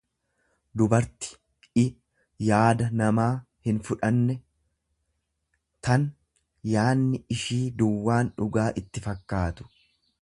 dubarti i yaada namaa hinfudhanne, tan yaanni ishii duwwaan dhugaa itti fakkaatu.